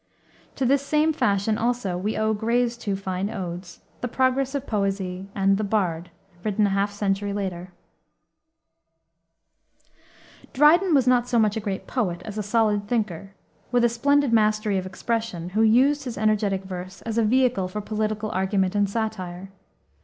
To this same fashion, also, we owe Gray's two fine odes, the Progress of Poesy and the Bard, written a half century later. Dryden was not so much a great poet, as a solid thinker, with a splendid mastery of expression, who used his energetic verse as a vehicle for political argument and satire.